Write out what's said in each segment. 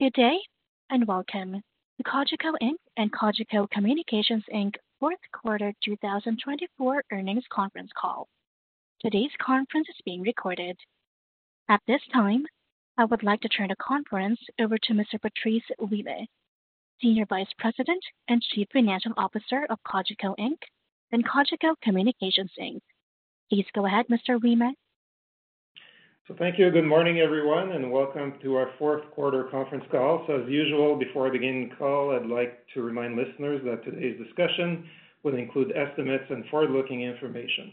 Good day and welcome to Cogeco Inc. and Cogeco Communications Inc. Fourth Quarter 2024 Earnings Conference Call. Today's conference is being recorded. At this time, I would like to turn the conference over to Mr. Patrice Ouimet, Senior Vice President and Chief Financial Officer of Cogeco Inc. and Cogeco Communications Inc. Please go ahead, Mr. Ouimet. Thank you. Good morning, everyone, and welcome to our Fourth Quarter Conference Call. As usual, before I begin the call, I'd like to remind listeners that today's discussion will include estimates and forward-looking information.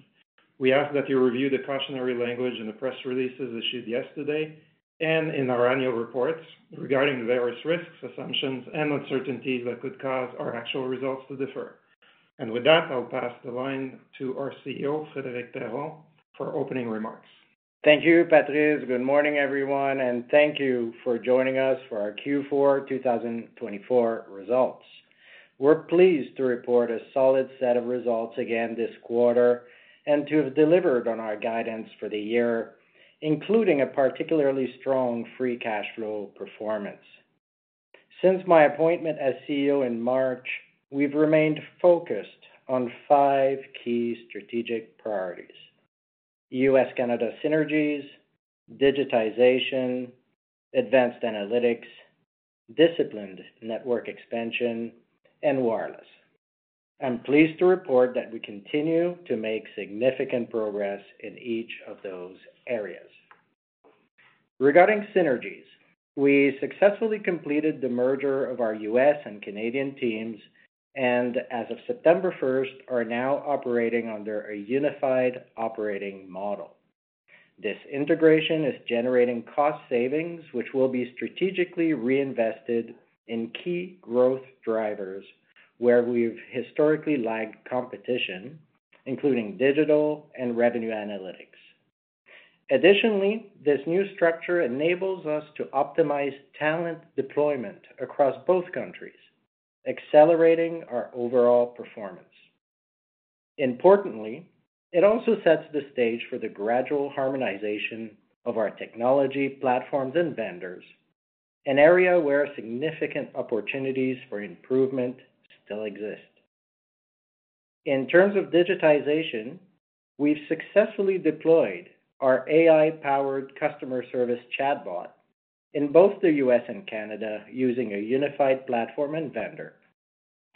We ask that you review the cautionary language in the press releases issued yesterday and in our annual reports regarding the various risks, assumptions, and uncertainties that could cause our actual results to differ. With that, I'll pass the line to our CEO, Frédéric Perron, for opening remarks. Thank you, Patrice. Good morning, everyone, and thank you for joining us for our Q4 2024 results. We're pleased to report a solid set of results again this quarter and to have delivered on our guidance for the year, including a particularly strong free cash flow performance. Since my appointment as CEO in March, we've remained focused on five key strategic priorities: U.S.-Canada synergies, digitization, advanced analytics, disciplined network expansion, and wireless. I'm pleased to report that we continue to make significant progress in each of those areas. Regarding synergies, we successfully completed the merger of our U.S. and Canadian teams and, as of September 1st, are now operating under a unified operating model. This integration is generating cost savings, which will be strategically reinvested in key growth drivers where we've historically lagged competition, including digital and revenue analytics. Additionally, this new structure enables us to optimize talent deployment across both countries, accelerating our overall performance. Importantly, it also sets the stage for the gradual harmonization of our technology platforms and vendors, an area where significant opportunities for improvement still exist. In terms of digitization, we've successfully deployed our AI-powered customer service chatbot in both the U.S. and Canada using a unified platform and vendor.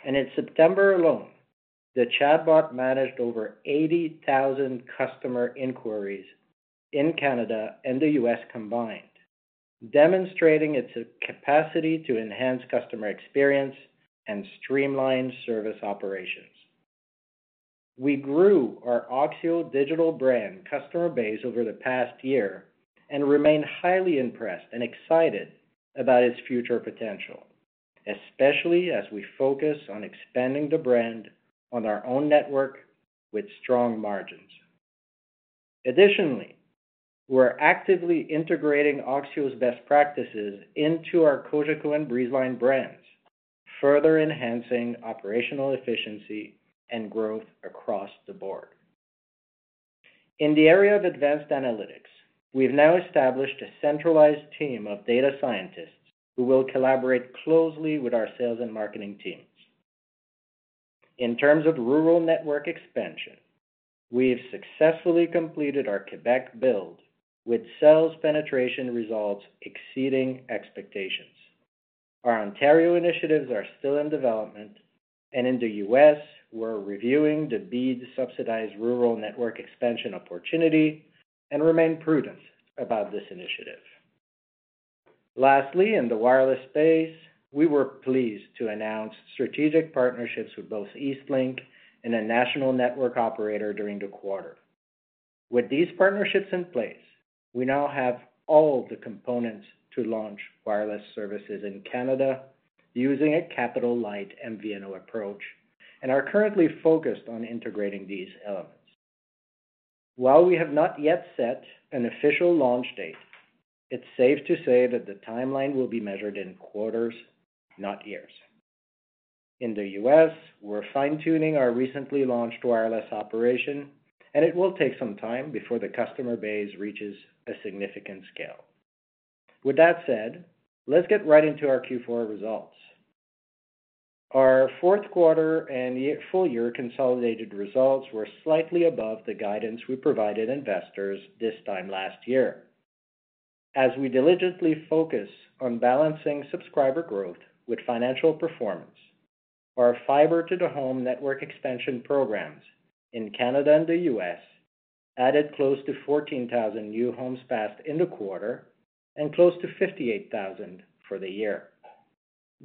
And in September alone, the chatbot managed over 80,000 customer inquiries in Canada and the U.S. combined, demonstrating its capacity to enhance customer experience and streamline service operations. We grew our oxio digital brand customer base over the past year and remain highly impressed and excited about its future potential, especially as we focus on expanding the brand on our own network with strong margins. Additionally, we're actively integrating oxio's best practices into our Cogeco and Breezeline brands, further enhancing operational efficiency and growth across the board. In the area of advanced analytics, we've now established a centralized team of data scientists who will collaborate closely with our sales and marketing teams. In terms of rural network expansion, we've successfully completed our Quebec build with sales penetration results exceeding expectations. Our Ontario initiatives are still in development, and in the U.S., we're reviewing the BEAD subsidized rural network expansion opportunity and remain prudent about this initiative. Lastly, in the wireless space, we were pleased to announce strategic partnerships with both Eastlink and a national network operator during the quarter. With these partnerships in place, we now have all the components to launch wireless services in Canada using a capital-light MVNO approach and are currently focused on integrating these elements. While we have not yet set an official launch date, it's safe to say that the timeline will be measured in quarters, not years. In the U.S., we're fine-tuning our recently launched wireless operation, and it will take some time before the customer base reaches a significant scale. With that said, let's get right into our Q4 results. Our fourth quarter and full-year consolidated results were slightly above the guidance we provided investors this time last year. As we diligently focus on balancing subscriber growth with financial performance, our fiber-to-the-home network expansion programs in Canada and the U.S. added close to 14,000 new homes passed in the quarter and close to 58,000 for the year.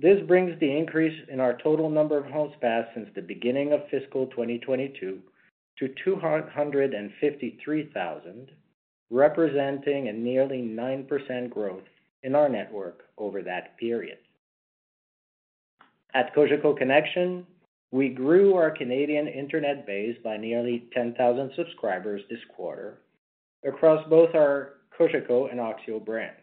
This brings the increase in our total number of homes passed since the beginning of fiscal 2022 to 253,000, representing a nearly 9% growth in our network over that period. At Cogeco Connexion, we grew our Canadian internet base by nearly 10,000 subscribers this quarter across both our Cogeco and oxio brands,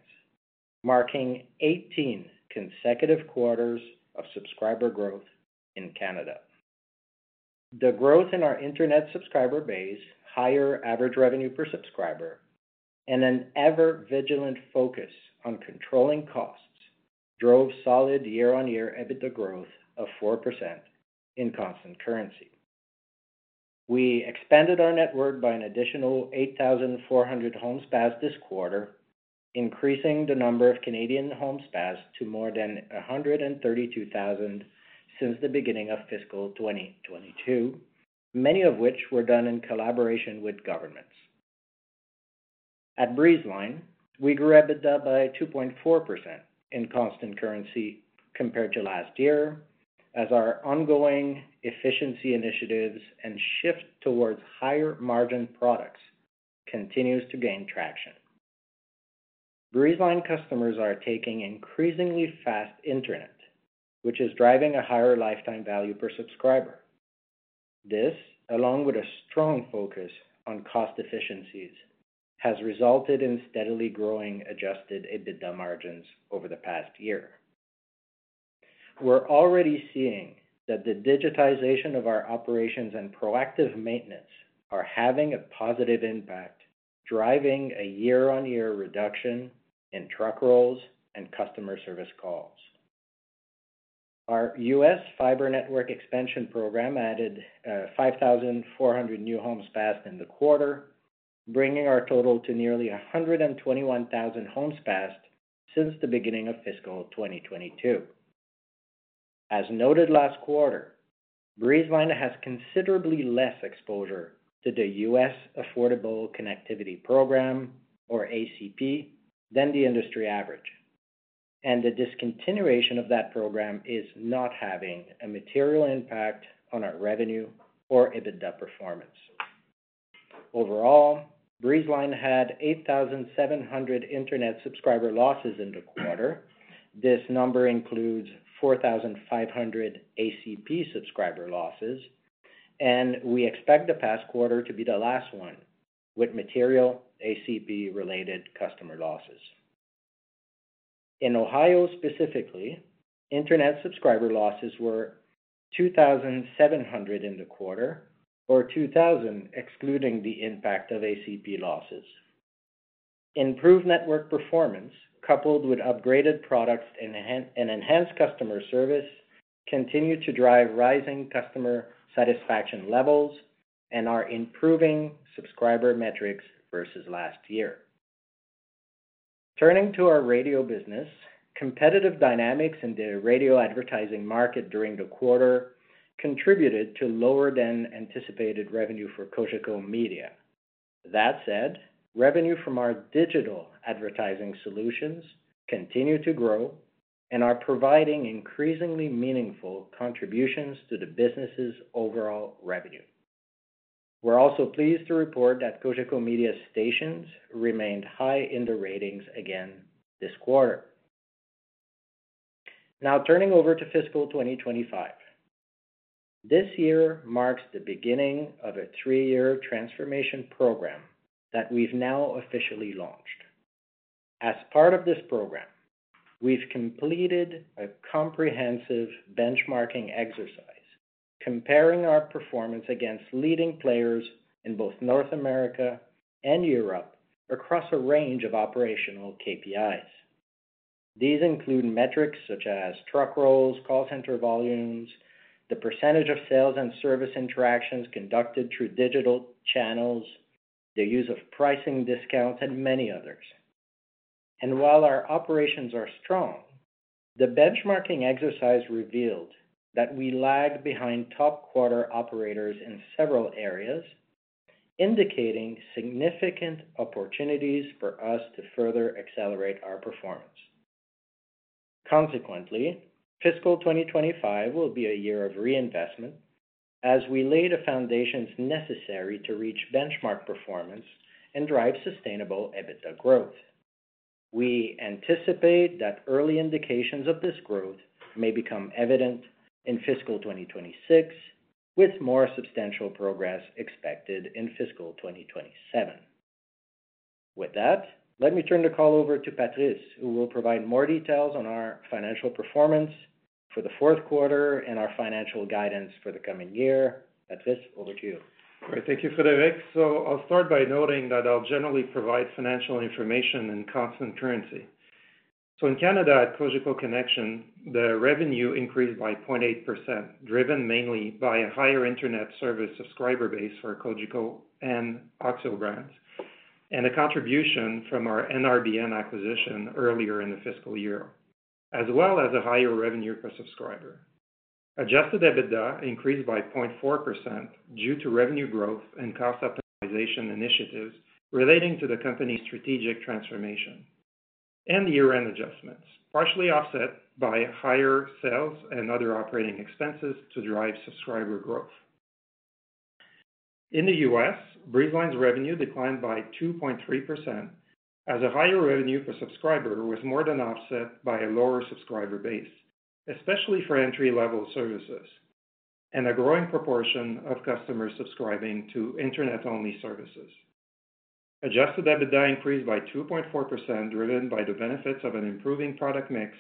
marking 18 consecutive quarters of subscriber growth in Canada. The growth in our internet subscriber base, higher average revenue per subscriber, and an ever-vigilant focus on controlling costs drove solid year-on-year EBITDA growth of 4% in constant currency. We expanded our network by an additional 8,400 homes passed this quarter, increasing the number of Canadian homes passed to more than 132,000 since the beginning of fiscal 2022, many of which were done in collaboration with governments. At Breezeline, we grew EBITDA by 2.4% in constant currency compared to last year, as our ongoing efficiency initiatives and shift towards higher margin products continues to gain traction. Breezeline customers are taking increasingly fast internet, which is driving a higher lifetime value per subscriber. This, along with a strong focus on cost efficiencies, has resulted in steadily growing Adjusted EBITDA margins over the past year. We're already seeing that the digitization of our operations and proactive maintenance are having a positive impact, driving a year-on-year reduction in truck rolls and customer service calls. Our U.S. fiber network expansion program added 5,400 new homes passed in the quarter, bringing our total to nearly 121,000 homes passed since the beginning of fiscal 2022. As noted last quarter, Breezeline has considerably less exposure to the U.S. Affordable Connectivity Program, or ACP, than the industry average, and the discontinuation of that program is not having a material impact on our revenue or EBITDA performance. Overall, Breezeline had 8,700 internet subscriber losses in the quarter. This number includes 4,500 ACP subscriber losses, and we expect the past quarter to be the last one with material ACP-related customer losses. In Ohio, specifically, internet subscriber losses were 2,700 in the quarter, or 2,000 excluding the impact of ACP losses. Improved network performance, coupled with upgraded products and enhanced customer service, continue to drive rising customer satisfaction levels and are improving subscriber metrics versus last year. Turning to our radio business, competitive dynamics in the radio advertising market during the quarter contributed to lower-than-anticipated revenue for Cogeco Media. That said, revenue from our digital advertising solutions continue to grow and are providing increasingly meaningful contributions to the business's overall revenue. We're also pleased to report that Cogeco Media's stations remained high in the ratings again this quarter. Now, turning over to fiscal 2025. This year marks the beginning of a three-year transformation program that we've now officially launched. As part of this program, we've completed a comprehensive benchmarking exercise, comparing our performance against leading players in both North America and Europe across a range of operational KPIs. These include metrics such as truck rolls, call center volumes, the percentage of sales and service interactions conducted through digital channels, the use of pricing discounts, and many others. And while our operations are strong, the benchmarking exercise revealed that we lagged behind top quartile operators in several areas, indicating significant opportunities for us to further accelerate our performance. Consequently, fiscal 2025 will be a year of reinvestment as we laid a foundation necessary to reach benchmark performance and drive sustainable EBITDA growth. We anticipate that early indications of this growth may become evident in fiscal 2026, with more substantial progress expected in fiscal 2027. With that, let me turn the call over to Patrice, who will provide more details on our financial performance for the fourth quarter and our financial guidance for the coming year. Patrice, over to you. All right. Thank you, Frédéric. So I'll start by noting that I'll generally provide financial information in constant currency. So in Canada, at Cogeco Connexion, the revenue increased by 0.8%, driven mainly by a higher internet service subscriber base for Cogeco and oxio brands and a contribution from our NRBN acquisition earlier in the fiscal year, as well as a higher revenue per subscriber. Adjusted EBITDA increased by 0.4% due to revenue growth and cost optimization initiatives relating to the company's strategic transformation and year-end adjustments, partially offset by higher sales and other operating expenses to drive subscriber growth. In the U.S., Breezeline's revenue declined by 2.3% as a higher revenue per subscriber was more than offset by a lower subscriber base, especially for entry-level services and a growing proportion of customers subscribing to internet-only services. Adjusted EBITDA increased by 2.4%, driven by the benefits of an improving product mix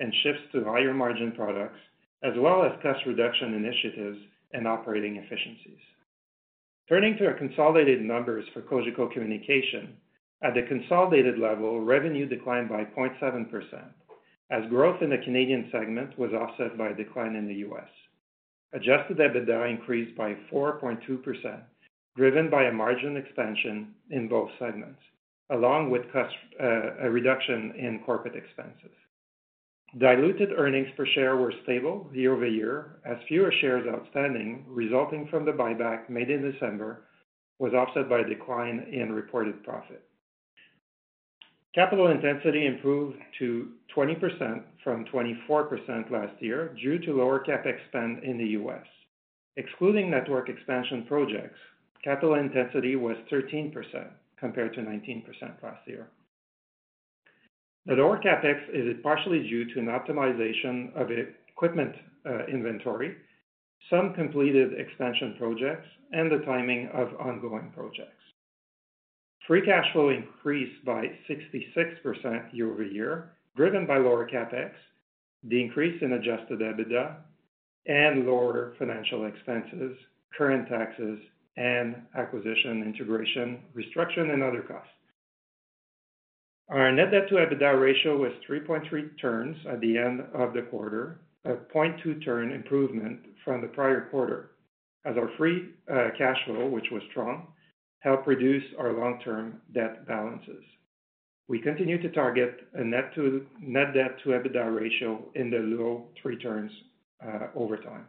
and shifts to higher margin products, as well as cost reduction initiatives and operating efficiencies. Turning to consolidated numbers for Cogeco Communications, at the consolidated level, revenue declined by 0.7% as growth in the Canadian segment was offset by a decline in the U.S. Adjusted EBITDA increased by 4.2%, driven by a margin expansion in both segments, along with a reduction in corporate expenses. Diluted earnings per share were stable year-over-year, as fewer shares outstanding resulting from the buyback made in December was offset by a decline in reported profit. Capital intensity improved to 20% from 24% last year due to lower CapEx spend in the U.S. Excluding network expansion projects, capital intensity was 13% compared to 19% last year. The lower CapEx is partially due to an optimization of equipment inventory, some completed expansion projects, and the timing of ongoing projects. Free cash flow increased by 66% year-over-year, driven by lower CapEx, the increase in adjusted EBITDA, and lower financial expenses, current taxes, and acquisition integration restriction and other costs. Our net debt-to-EBITDA ratio was 3.3 turns at the end of the quarter, a 0.2-turn improvement from the prior quarter, as our free cash flow, which was strong, helped reduce our long-term debt balances. We continue to target a net debt-to-EBITDA ratio in the low three turns over time.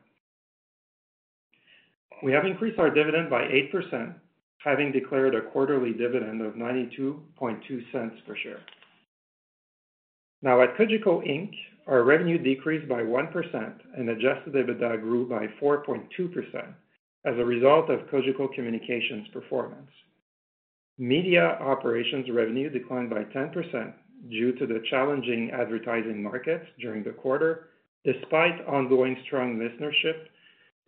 We have increased our dividend by 8%, having declared a quarterly dividend of 0.922 per share. Now, at Cogeco Inc., our revenue decreased by 1%, and adjusted EBITDA grew by 4.2% as a result of Cogeco Communications' performance. Media operations revenue declined by 10% due to the challenging advertising markets during the quarter, despite ongoing strong listenership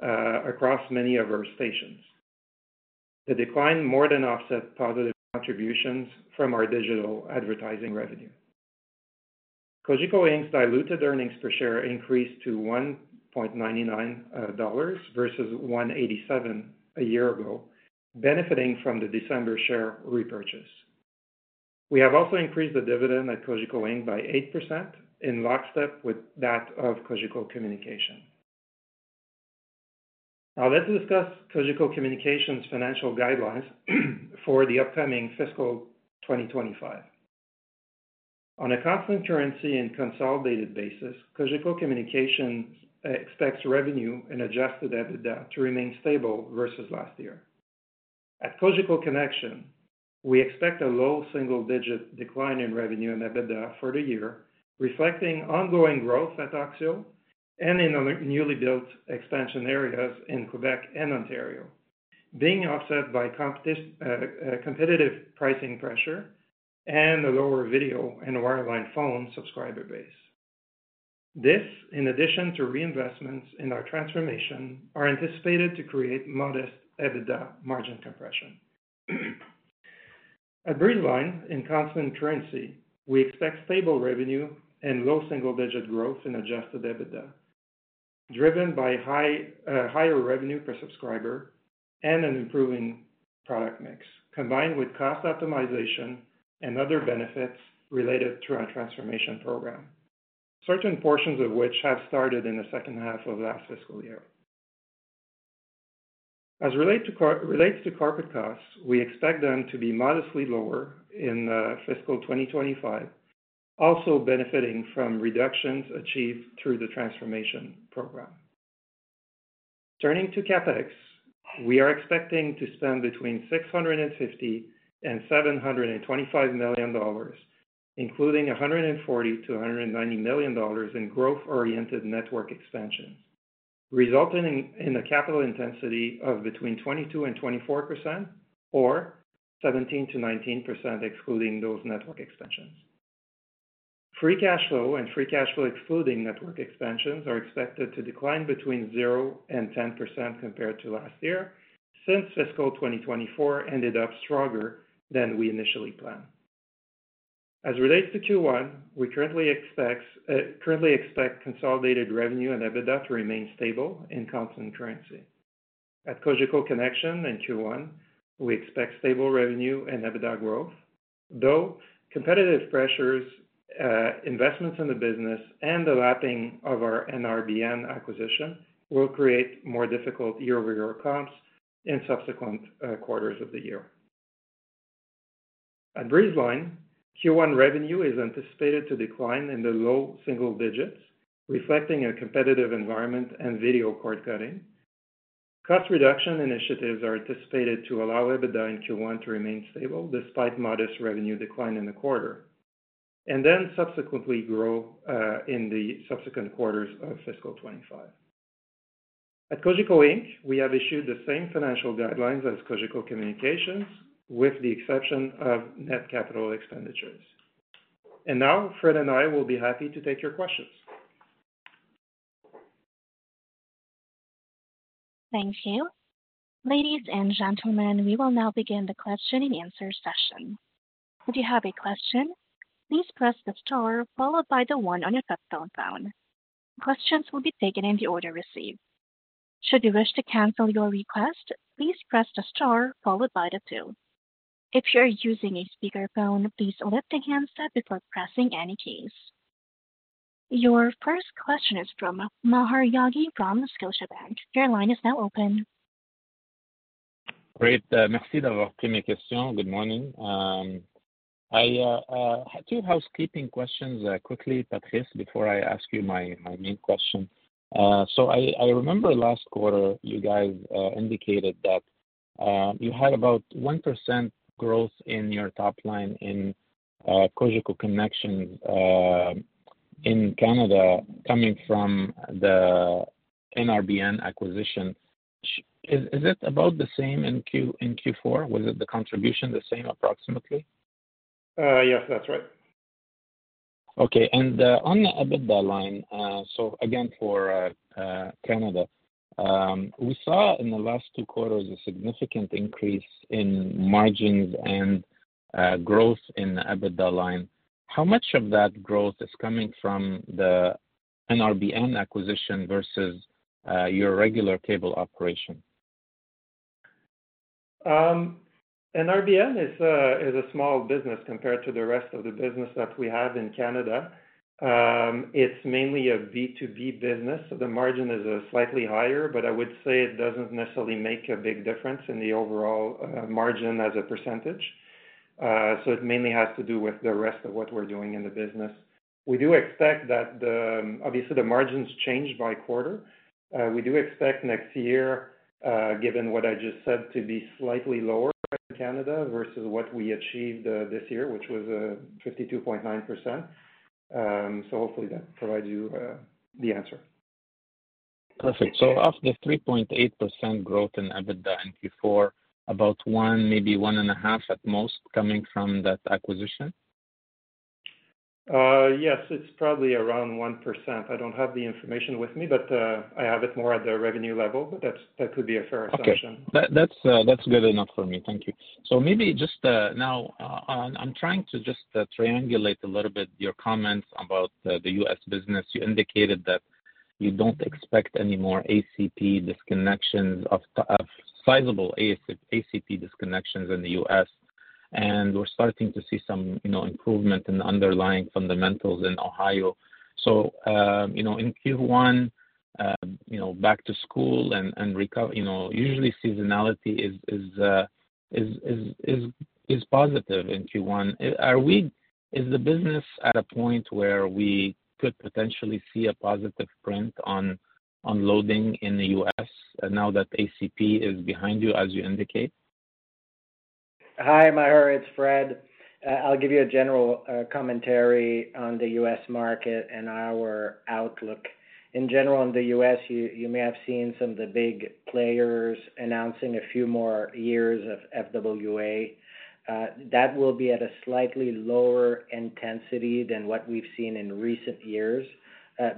across many of our stations. The decline more than offset positive contributions from our digital advertising revenue. Cogeco Inc.'s diluted earnings per share increased to 1.99 dollars versus 1.87 a year ago, benefiting from the December share repurchase. We have also increased the dividend at Cogeco Inc. by 8% in lockstep with that of Cogeco Communications. Now, let's discuss Cogeco Communications' financial guidelines for the upcoming fiscal 2025. On a constant currency and consolidated basis, Cogeco Communications expects revenue and adjusted EBITDA to remain stable versus last year. At Cogeco Connexion, we expect a low single-digit decline in revenue and EBITDA for the year, reflecting ongoing growth at oxio and in the newly built expansion areas in Quebec and Ontario, being offset by competitive pricing pressure and a lower video and wireline phone subscriber base. This, in addition to reinvestments in our transformation, are anticipated to create modest EBITDA margin compression. At Breezeline, in constant currency, we expect stable revenue and low single-digit growth in adjusted EBITDA, driven by higher revenue per subscriber and an improving product mix, combined with cost optimization and other benefits related to our transformation program, certain portions of which have started in the second half of last fiscal year. As it relates to corporate costs, we expect them to be modestly lower in fiscal 2025, also benefiting from reductions achieved through the transformation program. Turning to CapEx, we are expecting to spend between 650 million and 725 million dollars, including 140 million dollars to 190 million dollars in growth-oriented network expansions, resulting in a capital intensity of between 22% and 24%, or 17% to 19% excluding those network expansions. Free cash flow and free cash flow-excluding network expansions are expected to decline between 0% and 10% compared to last year since fiscal 2024 ended up stronger than we initially planned. As it relates to Q1, we currently expect consolidated revenue and EBITDA to remain stable in constant currency. At Cogeco Connexion and Q1, we expect stable revenue and EBITDA growth, though competitive pressures, investments in the business, and the lapping of our NRBN acquisition will create more difficult year-over-year comps in subsequent quarters of the year. At Breezeline, Q1 revenue is anticipated to decline in the low single digits, reflecting a competitive environment and video cord cutting. Cost reduction initiatives are anticipated to allow EBITDA in Q1 to remain stable despite modest revenue decline in the quarter, and then subsequently grow in the subsequent quarters of fiscal 2025. At Cogeco Inc., we have issued the same financial guidelines as Cogeco Communications, with the exception of net capital expenditures, and now, Fred and I will be happy to take your questions. Thank you. Ladies and gentlemen, we will now begin the question and answer session. If you have a question, please press the star followed by the one on your cell phone. Questions will be taken in the order received. Should you wish to cancel your request, please press the star followed by the two. If you're using a speakerphone, please lift the handset before pressing any keys. Your first question is from Maher Yaghi from Scotiabank. Your line is now open. Great. Merci d'avoir pris mes questions. Good morning. I had two housekeeping questions quickly, Patrice, before I ask you my main question. So I remember last quarter, you guys indicated that you had about 1% growth in your top line in Cogeco Connexion in Canada coming from the NRBN acquisition. Is it about the same in Q4? Was the contribution the same approximately? Yes, that's right. Okay. And on the EBITDA line, so again for Canada, we saw in the last two quarters a significant increase in margins and growth in the EBITDA line. How much of that growth is coming from the NRBN acquisition versus your regular cable operation? NRBN is a small business compared to the rest of the business that we have in Canada. It's mainly a B2B business, so the margin is slightly higher, but I would say it doesn't necessarily make a big difference in the overall margin as a percentage. So it mainly has to do with the rest of what we're doing in the business. We do expect that, obviously, the margins change by quarter. We do expect next year, given what I just said, to be slightly lower in Canada versus what we achieved this year, which was 52.9%. So hopefully, that provides you the answer. Perfect. So after the 3.8% growth in EBITDA in Q4, about one, maybe one and a half at most, coming from that acquisition? Yes, it's probably around 1%. I don't have the information with me, but I have it more at the revenue level. That could be a fair assumption. Okay. That's good enough for me. Thank you. So maybe just now, I'm trying to just triangulate a little bit your comments about the U.S. business. You indicated that you don't expect any more ACP disconnections, sizable ACP disconnections in the U.S., and we're starting to see some improvement in the underlying fundamentals in Ohio. So in Q1, back to school and recovery, usually seasonality is positive in Q1. Is the business at a point where we could potentially see a positive print on loading in the U.S. now that ACP is behind you, as you indicate? Hi, Maher. It's Fred. I'll give you a general commentary on the U.S. market and our outlook. In general, in the U.S., you may have seen some of the big players announcing a few more years of FWA. That will be at a slightly lower intensity than what we've seen in recent years,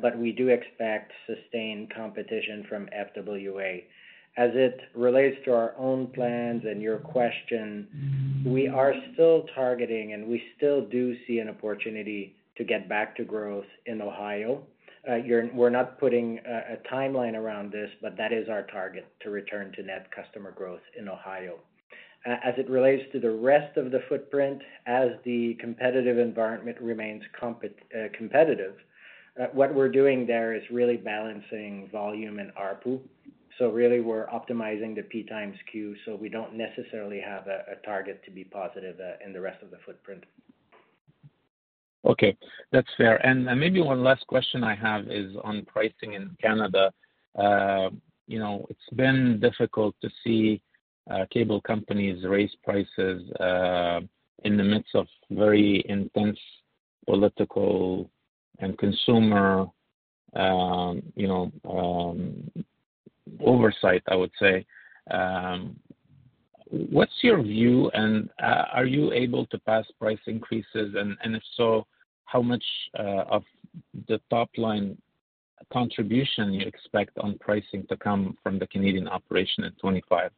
but we do expect sustained competition from FWA. As it relates to our own plans and your question, we are still targeting, and we still do see an opportunity to get back to growth in Ohio. We're not putting a timeline around this, but that is our target to return to net customer growth in Ohio. As it relates to the rest of the footprint, as the competitive environment remains competitive, what we're doing there is really balancing volume and ARPU. So really, we're optimizing the P times Q so we don't necessarily have a target to be positive in the rest of the footprint. Okay. That's fair. And maybe one last question I have is on pricing in Canada. It's been difficult to see cable companies raise prices in the midst of very intense political and consumer oversight, I would say. What's your view, and are you able to pass price increases? And if so, how much of the top line contribution you expect on pricing to come from the Canadian operation in 2025?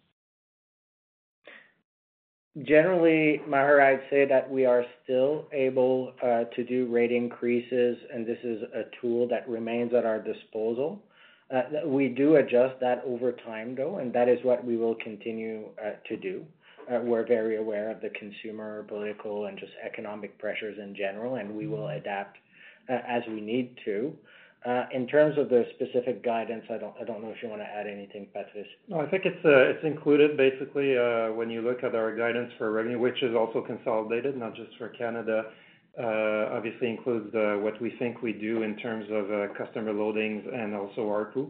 Generally, Maher, I'd say that we are still able to do rate increases, and this is a tool that remains at our disposal. We do adjust that over time, though, and that is what we will continue to do. We're very aware of the consumer political and just economic pressures in general, and we will adapt as we need to. In terms of the specific guidance, I don't know if you want to add anything, Patrice. No, I think it's included, basically, when you look at our guidance for revenue, which is also consolidated, not just for Canada, obviously, it includes what we think we do in terms of customer loadings and also ARPU,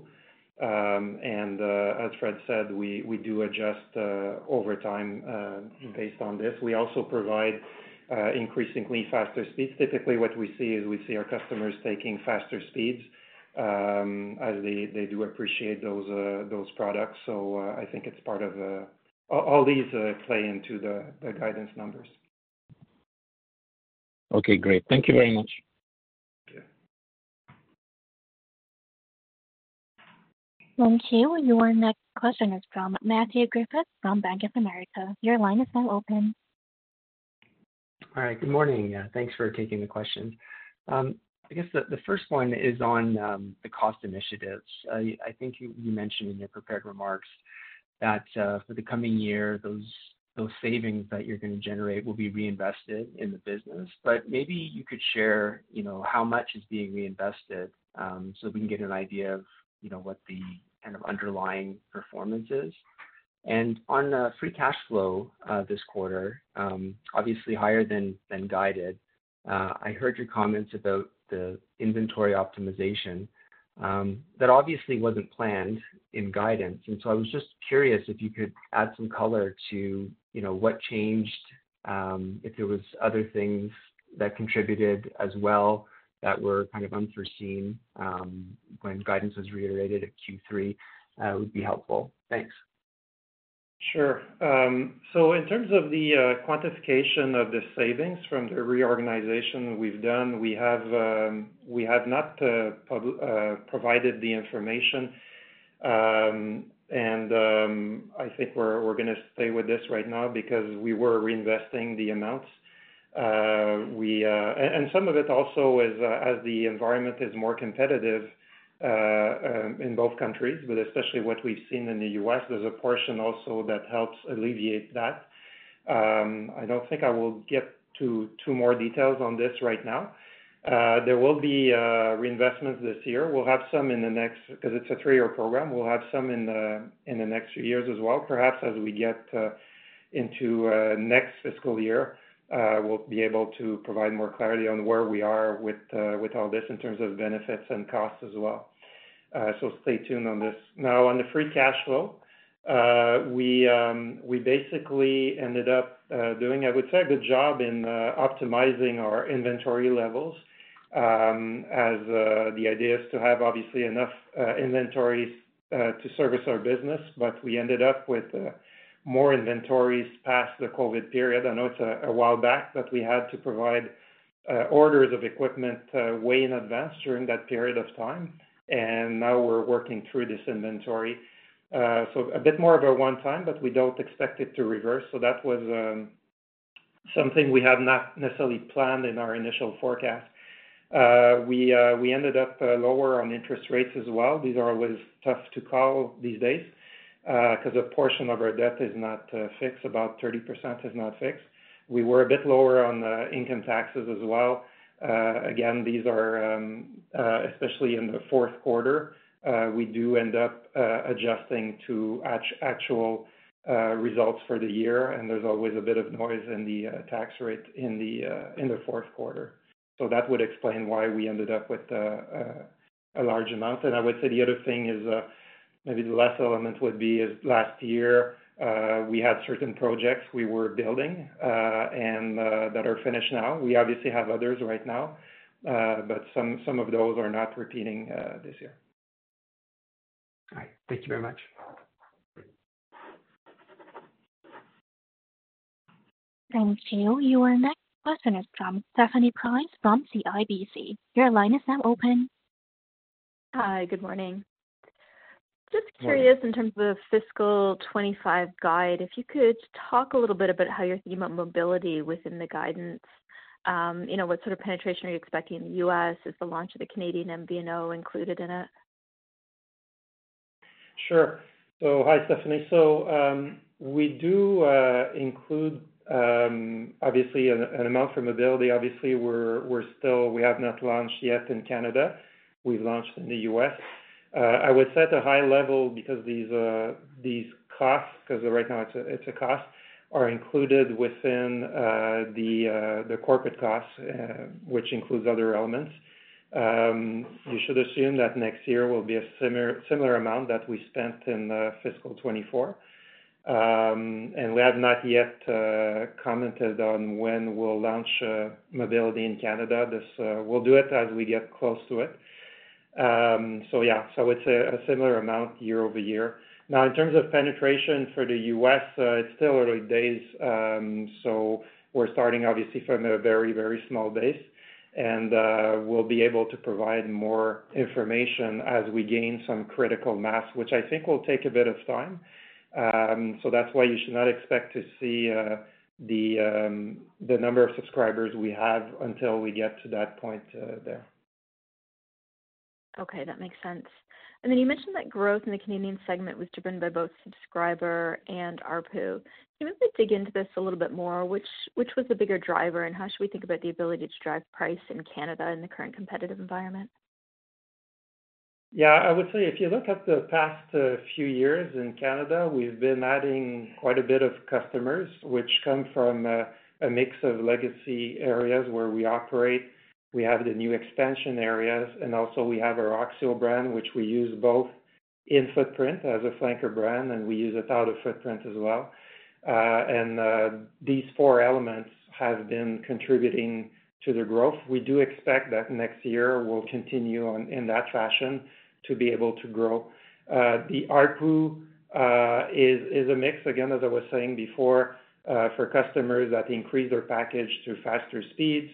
and as Fred said, we do adjust over time based on this. We also provide increasingly faster speeds. Typically, what we see is we see our customers taking faster speeds as they do appreciate those products, so I think it's part of all these play into the guidance numbers. Okay. Great. Thank you very much. Thank you. Thank you. Your next question is from Matthew Griffiths from Bank of America. Your line is now open. All right. Good morning. Thanks for taking the question. I guess the first one is on the cost initiatives. I think you mentioned in your prepared remarks that for the coming year, those savings that you're going to generate will be reinvested in the business. But maybe you could share how much is being reinvested so we can get an idea of what the kind of underlying performance is. And on free cash flow this quarter, obviously higher than guided, I heard your comments about the inventory optimization that obviously wasn't planned in guidance. And so I was just curious if you could add some color to what changed, if there were other things that contributed as well that were kind of unforeseen when guidance was reiterated at Q3. It would be helpful. Thanks. Sure. So in terms of the quantification of the savings from the reorganization we've done, we have not provided the information. And I think we're going to stay with this right now because we were reinvesting the amounts. And some of it also is as the environment is more competitive in both countries, but especially what we've seen in the U.S., there's a portion also that helps alleviate that. I don't think I will get to more details on this right now. There will be reinvestments this year. We'll have some in the next because it's a three-year program. We'll have some in the next few years as well. Perhaps as we get into next fiscal year, we'll be able to provide more clarity on where we are with all this in terms of benefits and costs as well. So stay tuned on this. Now, on the free cash flow, we basically ended up doing, I would say, a good job in optimizing our inventory levels as the idea is to have, obviously, enough inventories to service our business, but we ended up with more inventories past the COVID period. I know it's a while back, but we had to provide orders of equipment way in advance during that period of time. And now we're working through this inventory. So a bit more of a one-time, but we don't expect it to reverse. So that was something we had not necessarily planned in our initial forecast. We ended up lower on interest rates as well. These are always tough to call these days because a portion of our debt is not fixed. About 30% is not fixed. We were a bit lower on income taxes as well. Again, these are, especially in the fourth quarter, we do end up adjusting to actual results for the year, and there's always a bit of noise in the tax rate in the fourth quarter, so that would explain why we ended up with a large amount, and I would say the other thing is maybe the last element would be last year we had certain projects we were building and that are finished now. We obviously have others right now, but some of those are not repeating this year. All right. Thank you very much. Thank you. Your next question is from Stephanie Price from CIBC. Your line is now open. Hi. Good morning. Just curious in terms of the fiscal 2025 guide, if you could talk a little bit about how you're thinking about mobility within the guidance. What sort of penetration are you expecting in the U.S.? Is the launch of the Canadian MVNO included in it? Sure. So hi, Stephanie. So we do include, obviously, an amount for mobility. Obviously, we have not launched yet in Canada. We've launched in the U.S. I would say at a high level because these costs, because right now it's a cost, are included within the corporate costs, which includes other elements. You should assume that next year will be a similar amount that we spent in fiscal 2024. And we have not yet commented on when we'll launch mobility in Canada. We'll do it as we get close to it. So yeah, so I would say a similar amount year over year. Now, in terms of penetration for the U.S., it's still early days. So we're starting, obviously, from a very, very small base. And we'll be able to provide more information as we gain some critical mass, which I think will take a bit of time. So that's why you should not expect to see the number of subscribers we have until we get to that point there. Okay. That makes sense. And then you mentioned that growth in the Canadian segment was driven by both subscriber and ARPU. Can you maybe dig into this a little bit more? Which was the bigger driver, and how should we think about the ability to drive price in Canada in the current competitive environment? Yeah. I would say if you look at the past few years in Canada, we've been adding quite a bit of customers, which come from a mix of legacy areas where we operate. We have the new expansion areas, and also we have our oxio brand, which we use both in footprint as a flanker brand, and we use it out of footprint as well, and these four elements have been contributing to the growth. We do expect that next year we'll continue in that fashion to be able to grow. The ARPU is a mix, again, as I was saying before, for customers that increase their package to faster speeds,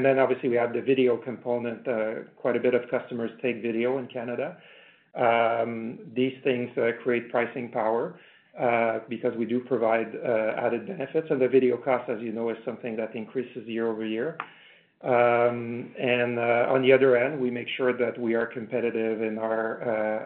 and then, obviously, we have the video component. Quite a bit of customers take video in Canada. These things create pricing power because we do provide added benefits. The video cost, as you know, is something that increases year over year. On the other end, we make sure that we are competitive in our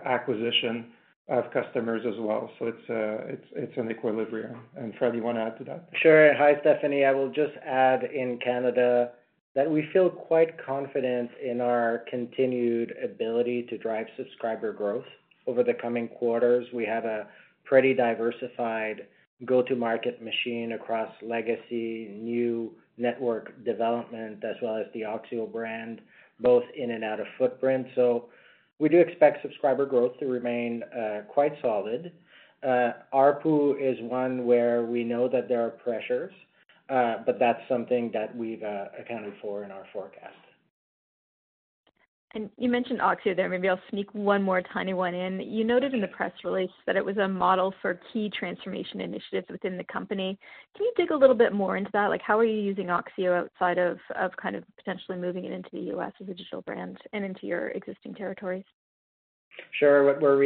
acquisition of customers as well. It's an equilibrium. Fred, do you want to add to that? Sure. Hi, Stephanie. I will just add in Canada that we feel quite confident in our continued ability to drive subscriber growth over the coming quarters. We have a pretty diversified go-to-market machine across legacy, new network development, as well as the oxio brand, both in and out of footprint. So we do expect subscriber growth to remain quite solid. ARPU is one where we know that there are pressures, but that's something that we've accounted for in our forecast. And you mentioned oxio there. Maybe I'll sneak one more tiny one in. You noted in the press release that it was a model for key transformation initiatives within the company. Can you dig a little bit more into that? How are you using oxio outside of kind of potentially moving it into the U.S. as a digital brand and into your existing territories? Sure. What we're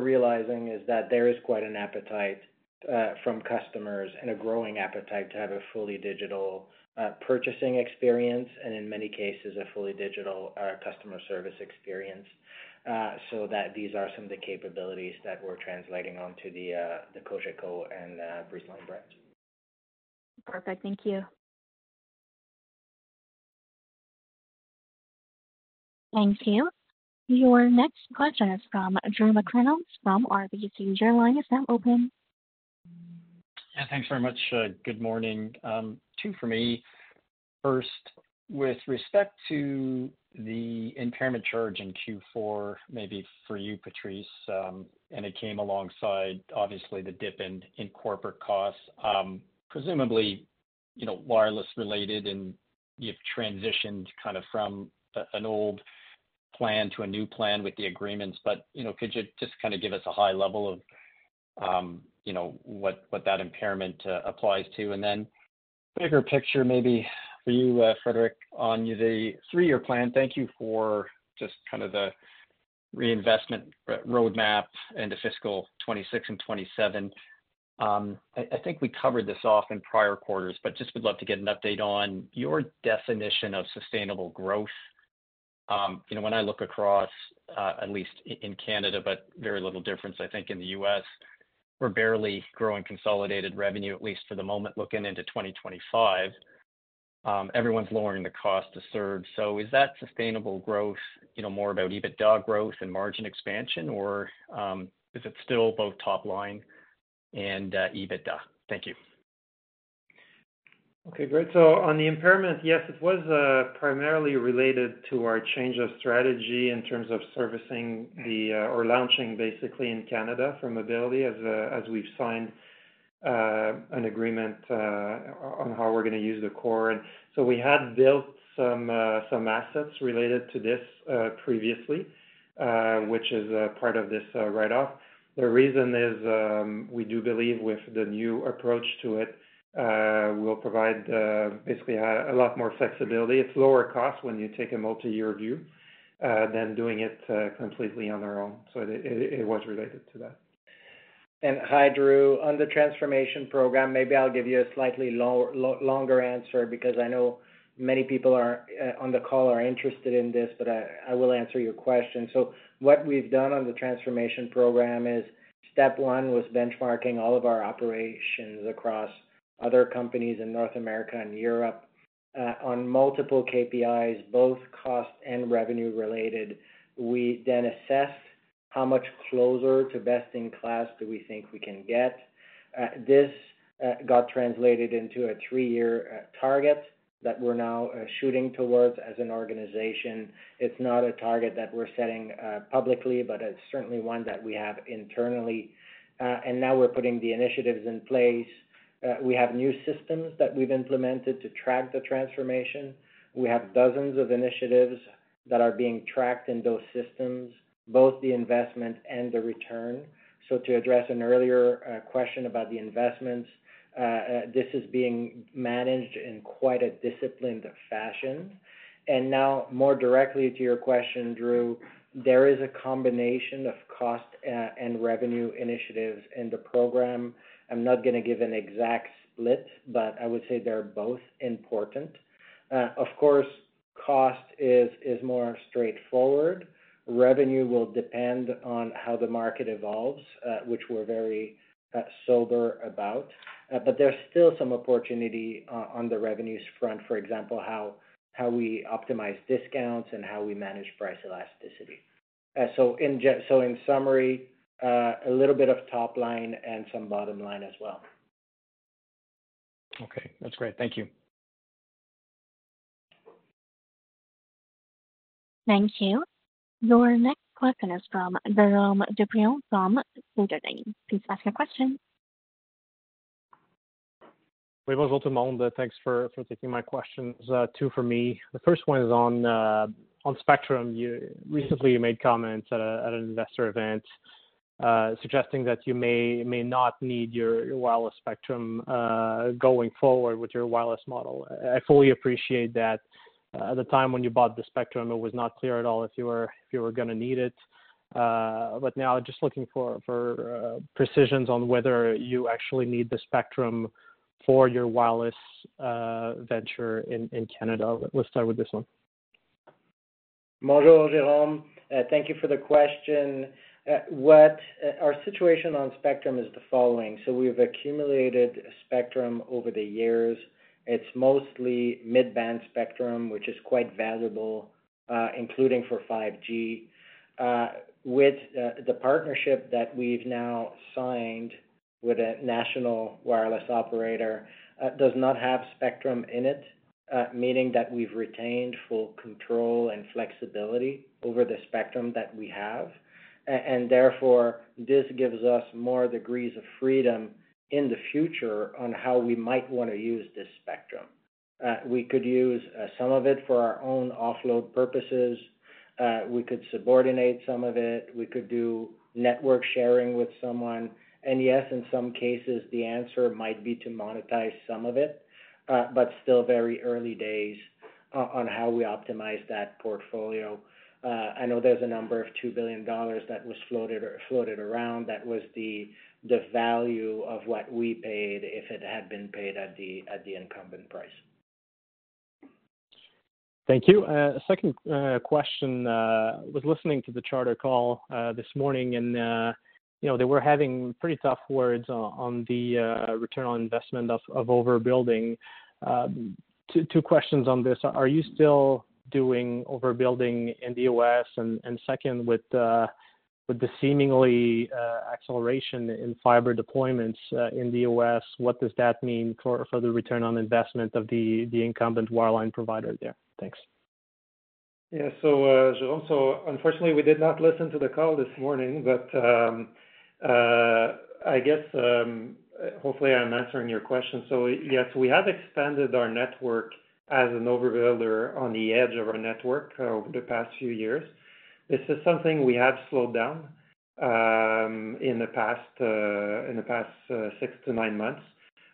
realizing is that there is quite an appetite from customers and a growing appetite to have a fully digital purchasing experience and, in many cases, a fully digital customer service experience so that these are some of the capabilities that we're translating onto the Cogeco and Breezeline brands. Perfect. Thank you. Thank you. Your next question is from Drew McReynolds from RBC. Your line is now open. Yeah. Thanks very much. Good morning too for me. First, with respect to the impairment charge in Q4, maybe for you, Patrice, and it came alongside, obviously, the dip in corporate costs, presumably wireless-related, and you've transitioned kind of from an old plan to a new plan with the agreements. But could you just kind of give us a high level of what that impairment applies to? And then bigger picture maybe for you, Frédéric, on the three-year plan. Thank you for just kind of the reinvestment roadmap into fiscal 2026 and 2027. I think we covered this off in prior quarters, but just would love to get an update on your definition of sustainable growth. When I look across, at least in Canada, but very little difference, I think, in the U.S., we're barely growing consolidated revenue, at least for the moment, looking into 2025. Everyone's lowering the cost to serve. So is that sustainable growth more about EBITDA growth and margin expansion, or is it still both top line and EBITDA? Thank you. Okay. Great. So on the impairment, yes, it was primarily related to our change of strategy in terms of servicing or launching, basically, in Canada for mobility as we've signed an agreement on how we're going to use the core. And so we had built some assets related to this previously, which is part of this write-off. The reason is we do believe with the new approach to it, we'll provide basically a lot more flexibility. It's lower cost when you take a multi-year view than doing it completely on our own. So it was related to that. Hi, Drew. On the transformation program, maybe I'll give you a slightly longer answer because I know many people on the call are interested in this, but I will answer your question. What we've done on the transformation program is step one was benchmarking all of our operations across other companies in North America and Europe on multiple KPIs, both cost and revenue-related. We then assessed how much closer to best-in-class do we think we can get. This got translated into a three-year target that we're now shooting towards as an organization. It's not a target that we're setting publicly, but it's certainly one that we have internally. Now we're putting the initiatives in place. We have new systems that we've implemented to track the transformation. We have dozens of initiatives that are being tracked in those systems, both the investment and the return. So to address an earlier question about the investments, this is being managed in quite a disciplined fashion. And now, more directly to your question, Drew, there is a combination of cost and revenue initiatives in the program. I'm not going to give an exact split, but I would say they're both important. Of course, cost is more straightforward. Revenue will depend on how the market evolves, which we're very sober about. But there's still some opportunity on the revenues front, for example, how we optimize discounts and how we manage price elasticity. So in summary, a little bit of top line and some bottom line as well. Okay. That's great. Thank you. Thank you. Your next question is from Jérôme Dubreuil from Desjardins Securities. Please ask your question. Oui, bonjour tout le monde. Thanks for taking my questions too for me. The first one is on spectrum. Recently, you made comments at an investor event suggesting that you may not need your wireless spectrum going forward with your wireless model. I fully appreciate that. At the time when you bought the spectrum, it was not clear at all if you were going to need it. But now, just looking for precisions on whether you actually need the spectrum for your wireless venture in Canada. Let's start with this one. Bonjour, Jerome. Thank you for the question. Our situation on spectrum is the following. So we've accumulated spectrum over the years. It's mostly mid-band spectrum, which is quite valuable, including for 5G. With the partnership that we've now signed with a national wireless operator, it does not have spectrum in it, meaning that we've retained full control and flexibility over the spectrum that we have. And therefore, this gives us more degrees of freedom in the future on how we might want to use this spectrum. We could use some of it for our own offload purposes. We could subordinate some of it. We could do network sharing with someone. And yes, in some cases, the answer might be to monetize some of it, but still very early days on how we optimize that portfolio. I know there's a number of 2 billion dollars that was floated around. That was the value of what we paid if it had been paid at the incumbent price. Thank you. Second question. I was listening to the Charter call this morning, and they were having pretty tough words on the return on investment of overbuilding. Two questions on this. Are you still doing overbuilding in the U.S.? And second, with the seemingly acceleration in fiber deployments in the U.S., what does that mean for the return on investment of the incumbent wireline provider there? Thanks. Yeah, so unfortunately, we did not listen to the call this morning, but I guess hopefully I'm answering your question, so yes, we have expanded our network as an overbuilder on the edge of our network over the past few years. This is something we have slowed down in the past six to nine months,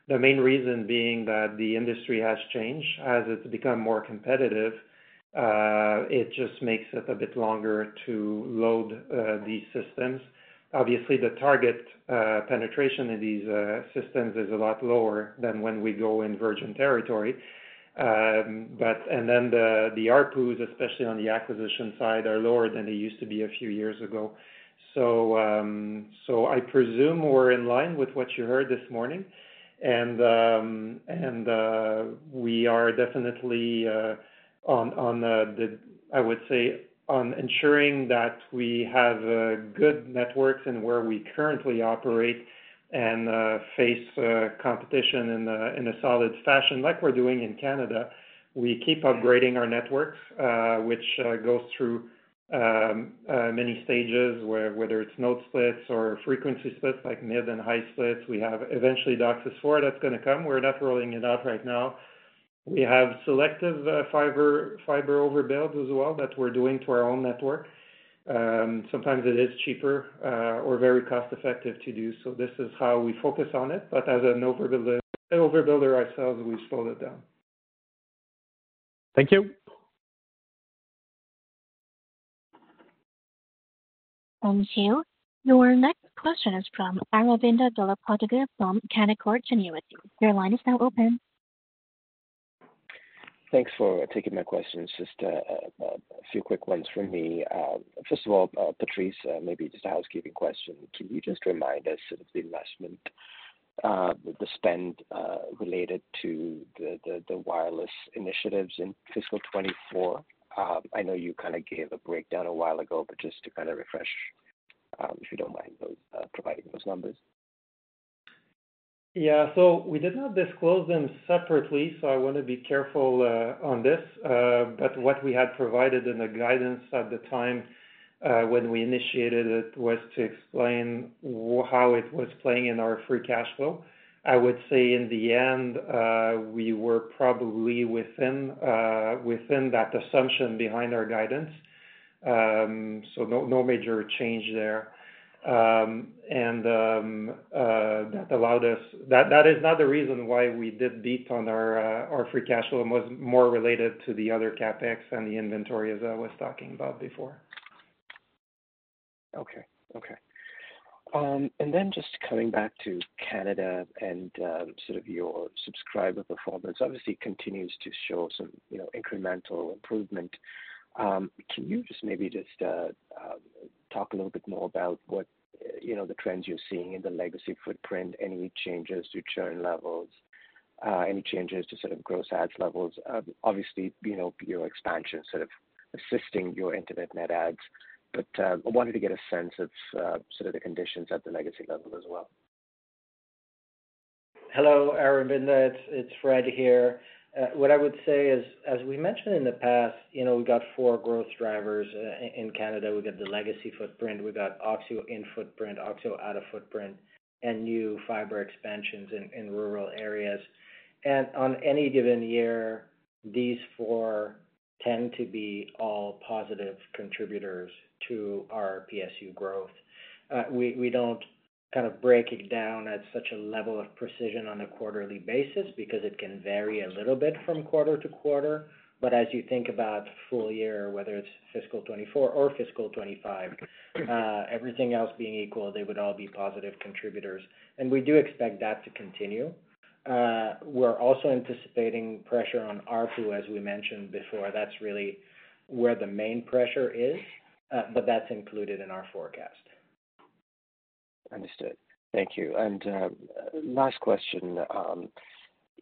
the main reason being that the industry has changed. As it's become more competitive, it just makes it a bit longer to load these systems. Obviously, the target penetration in these systems is a lot lower than when we go in virgin territory, and then the ARPUs, especially on the acquisition side, are lower than they used to be a few years ago, so I presume we're in line with what you heard this morning. We are definitely on, I would say, on ensuring that we have good networks in where we currently operate and face competition in a solid fashion like we're doing in Canada. We keep upgrading our networks, which goes through many stages, whether it's node splits or frequency splits like mid and high splits. We have eventually DOCSIS 4 that's going to come. We're not rolling it out right now. We have selective fiber overbuild as well that we're doing to our own network. Sometimes it is cheaper or very cost-effective to do. This is how we focus on it. But as an overbuilder ourselves, we've slowed it down. Thank you. Thank you. Your next question is from Aravinda Galappatthige from Canaccord Genuity. Your line is now open. Thanks for taking my questions. Just a few quick ones from me. First of all, Patrice, maybe just a housekeeping question. Can you just remind us of the investment, the spend related to the wireless initiatives in fiscal 2024? I know you kind of gave a breakdown a while ago, but just to kind of refresh, if you don't mind providing those numbers. Yeah. So we did not disclose them separately, so I want to be careful on this. But what we had provided in the guidance at the time when we initiated it was to explain how it was playing in our free cash flow. I would say in the end, we were probably within that assumption behind our guidance. So no major change there. And that allowed us, that is not the reason why we did beat on our free cash flow. It was more related to the other CapEx and the inventories I was talking about before. Okay. Okay. And then just coming back to Canada and sort of your subscriber performance, obviously continues to show some incremental improvement. Can you just maybe just talk a little bit more about the trends you're seeing in the legacy footprint, any changes to churn levels, any changes to sort of gross adds levels? Obviously, your expansion is sort of assisting your internet net adds, but I wanted to get a sense of sort of the conditions at the legacy level as well. Hello, Aravinda. It's Fred here. What I would say is, as we mentioned in the past, we got four growth drivers in Canada. We got the legacy footprint. We got oxio in footprint, oxio out of footprint, and new fiber expansions in rural areas. And on any given year, these four tend to be all positive contributors to our PSU growth. We don't kind of break it down at such a level of precision on a quarterly basis because it can vary a little bit from quarter to quarter. But as you think about full year, whether it's fiscal 2024 or fiscal 2025, everything else being equal, they would all be positive contributors. And we do expect that to continue. We're also anticipating pressure on ARPU, as we mentioned before. That's really where the main pressure is, but that's included in our forecast. Understood. Thank you. And last question,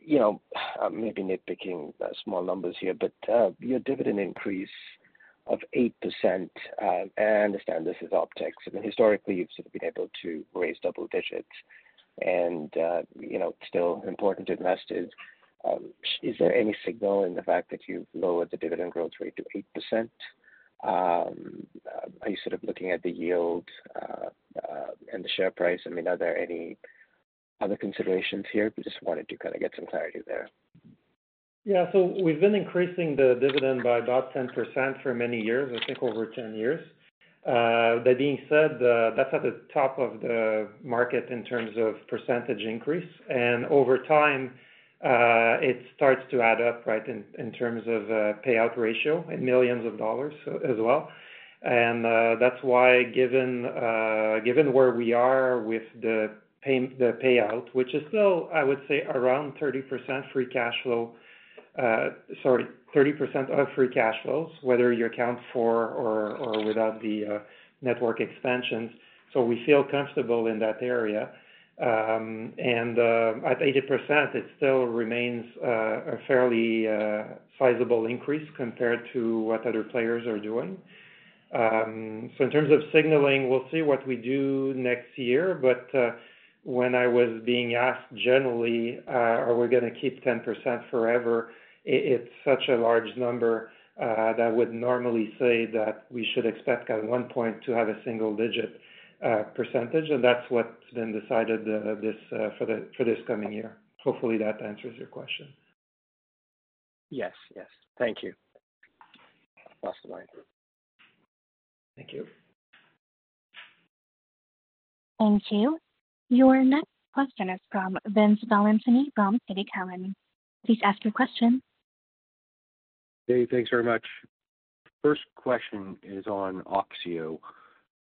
maybe nitpicking small numbers here, but your dividend increase of 8%, I understand this is optics. I mean, historically, you've sort of been able to raise double digits and still impress investors. Is there any signal in the fact that you've lowered the dividend growth rate to 8%? Are you sort of looking at the yield and the share price? I mean, are there any other considerations here? I just wanted to kind of get some clarity there. Yeah, so we've been increasing the dividend by about 10% for many years, I think over 10 years. That being said, that's at the top of the market in terms of percentage increase, and over time, it starts to add up, right, in terms of payout ratio in millions of dollars as well. That's why, given where we are with the payout, which is still, I would say, around 30% free cash flow. Sorry, 30% of free cash flows, whether you account for or without the network expansions, so we feel comfortable in that area, and at 80%, it still remains a fairly sizable increase compared to what other players are doing, so in terms of signaling, we'll see what we do next year, but when I was being asked generally, are we going to keep 10% forever? It's such a large number that I would normally say that we should expect at one point to have a single-digit percentage. And that's what's been decided for this coming year. Hopefully, that answers your question. Yes. Yes. Thank you. Lost the line. Thank you. Thank you. Your next is from Vince Valentini from TD Cowen. Please ask your question. Hey, thanks very much. First question is on oxio.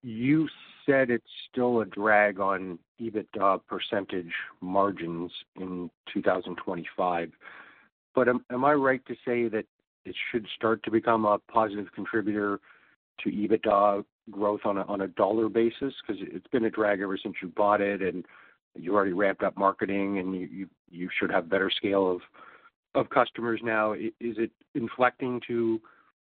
You said it's still a drag on EBITDA percentage margins in 2025. But am I right to say that it should start to become a positive contributor to EBITDA growth on a dollar basis? Because it's been a drag ever since you bought it, and you already ramped up marketing, and you should have a better scale of customers now. Is it inflecting to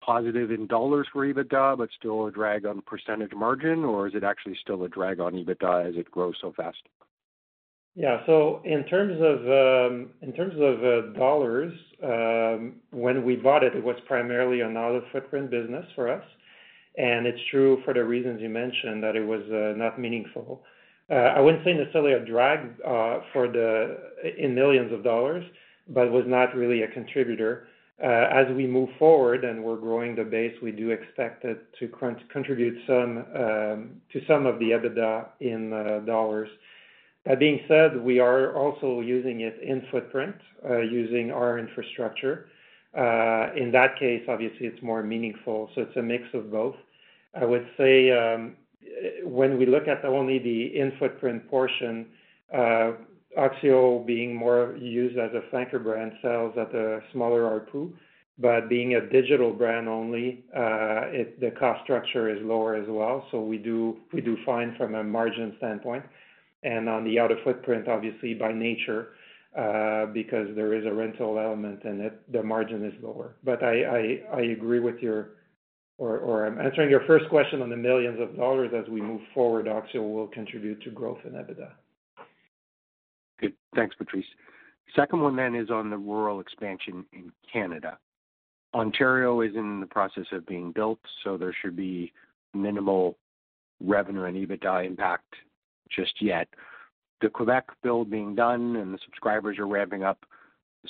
positive in dollars for EBITDA, but still a drag on percentage margin, or is it actually still a drag on EBITDA as it grows so fast? Yeah, so in terms of dollars, when we bought it, it was primarily another footprint business for us, and it's true for the reasons you mentioned that it was not meaningful. I wouldn't say necessarily a drag in millions of dollars, but it was not really a contributor. As we move forward and we're growing the base, we do expect it to contribute to some of the EBITDA in dollars. That being said, we are also using it in footprint, using our infrastructure. In that case, obviously, it's more meaningful, so it's a mix of both. I would say when we look at only the in-footprint portion, oxio being more used as a flanker brand sells at a smaller ARPU, but being a digital brand only, the cost structure is lower as well, so we do fine from a margin standpoint. On the outer footprint, obviously, by nature, because there is a rental element in it, the margin is lower. I agree with you. Or I'm answering your first question on the millions of dollars. As we move forward, oxio will contribute to growth in EBITDA. Good. Thanks, Patrice. Second one then is on the rural expansion in Canada. Ontario is in the process of being built, so there should be minimal revenue and EBITDA impact just yet. The Quebec build being done and the subscribers are ramping up.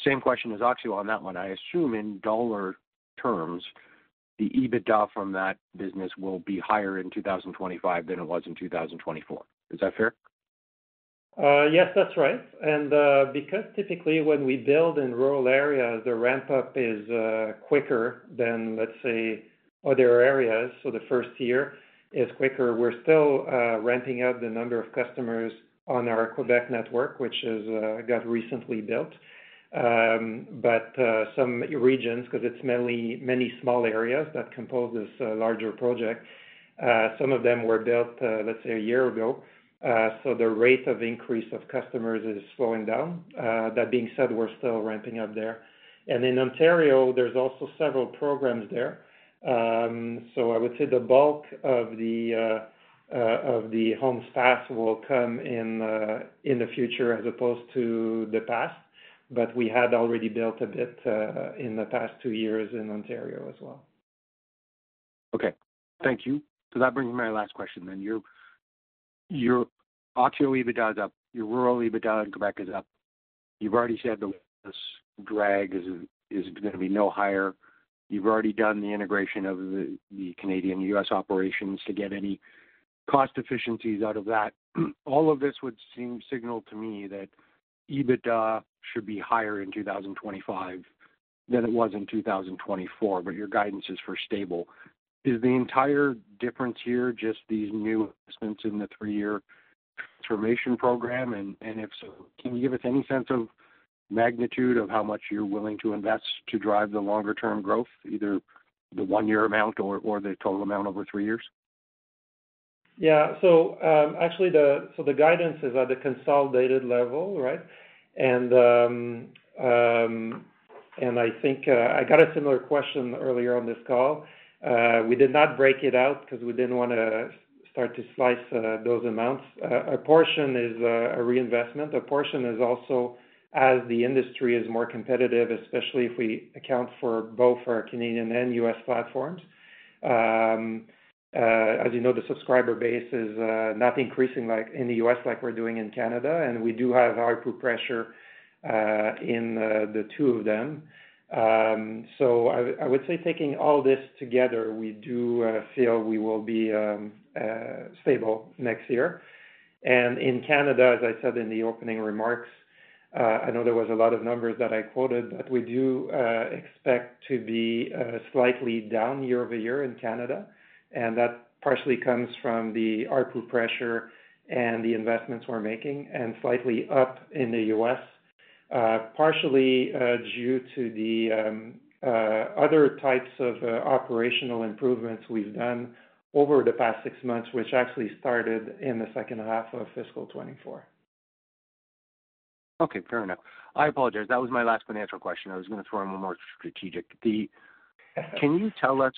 Same question as oxio on that one. I assume in dollar terms, the EBITDA from that business will be higher in 2025 than it was in 2024. Is that fair? Yes, that's right. And because typically when we build in rural areas, the ramp-up is quicker than, let's say, other areas. So the first year is quicker. We're still ramping up the number of customers on our Quebec network, which has got recently built. But some regions, because it's many small areas that compose this larger project, some of them were built, let's say, a year ago. So the rate of increase of customers is slowing down. That being said, we're still ramping up there. And in Ontario, there's also several programs there. So I would say the bulk of the homes passed will come in the future as opposed to the past. But we had already built a bit in the past two years in Ontario as well. Okay. Thank you. So that brings me to my last question then. Your oxio EBITDA is up. Your rural EBITDA in Quebec is up. You've already said the drag is going to be no higher. You've already done the integration of the Canadian-U.S. operations to get any cost efficiencies out of that. All of this would seem to signal to me that EBITDA should be higher in 2025 than it was in 2024, but your guidance is for stable. Is the entire difference here just these new investments in the three-year transformation program? And if so, can you give us any sense of magnitude of how much you're willing to invest to drive the longer-term growth, either the one-year amount or the total amount over three years? Yeah. So actually, the guidance is at the consolidated level, right, and I think I got a similar question earlier on this call. We did not break it out because we didn't want to start to slice those amounts. A portion is a reinvestment. A portion is also, as the industry is more competitive, especially if we account for both our Canadian and US platforms. As you know, the subscriber base is not increasing in the US like we're doing in Canada, and we do have ARPU pressure in the two of them. So I would say taking all this together, we do feel we will be stable next year, and in Canada, as I said in the opening remarks, I know there was a lot of numbers that I quoted, but we do expect to be slightly down year over year in Canada. That partially comes from the ARPU pressure and the investments we're making and slightly up in the U.S., partially due to the other types of operational improvements we've done over the past six months, which actually started in the second half of fiscal 2024. Okay. Fair enough. I apologize. That was my last financial question. I was going to throw in one more strategic. Can you tell us,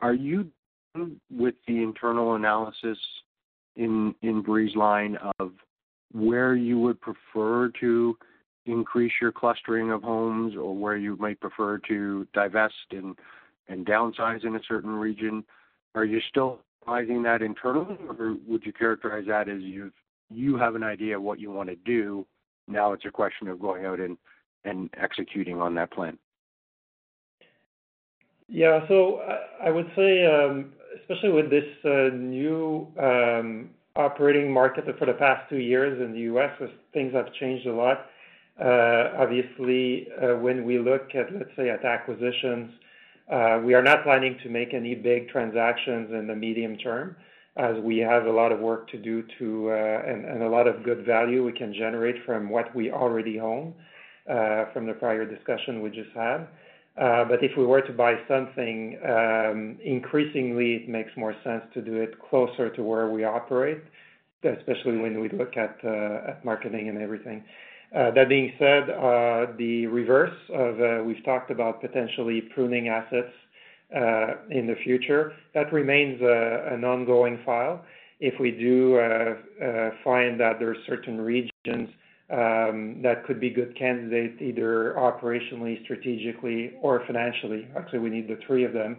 are you with the internal analysis in Breezeline of where you would prefer to increase your clustering of homes or where you might prefer to divest and downsize in a certain region? Are you still analyzing that internally, or would you characterize that as you have an idea of what you want to do? Now it's a question of going out and executing on that plan. Yeah. So I would say, especially with this new operating market for the past two years in the U.S., things have changed a lot. Obviously, when we look at, let's say, acquisitions, we are not planning to make any big transactions in the medium term as we have a lot of work to do and a lot of good value we can generate from what we already own from the prior discussion we just had. But if we were to buy something, increasingly, it makes more sense to do it closer to where we operate, especially when we look at marketing and everything. That being said, the reverse of we've talked about potentially pruning assets in the future, that remains an ongoing file. If we do find that there are certain regions that could be good candidates, either operationally, strategically, or financially, actually, we need the three of them,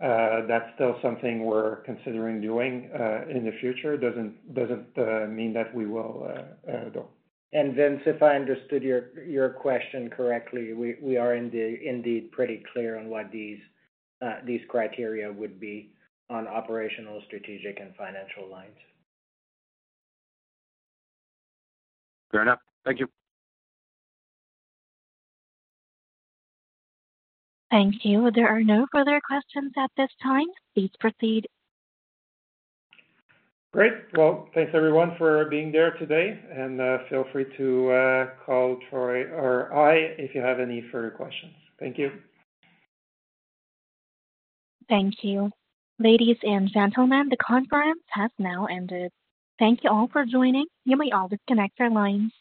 that's still something we're considering doing in the future. It doesn't mean that we will go. Vince, if I understood your question correctly, we are indeed pretty clear on what these criteria would be on operational, strategic, and financial lines. Fair enough. Thank you. Thank you. There are no further questions at this time. Please proceed. Great. Well, thanks everyone for being there today. And feel free to call Troy or I if you have any further questions. Thank you. Thank you. Ladies and gentlemen, the conference has now ended. Thank you all for joining. You may all disconnect your lines.